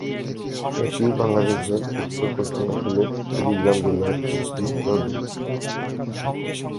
এটি বাংলাদেশের উত্তর-পশ্চিমাঞ্চলের কুড়িগ্রাম জেলার একটি নদী।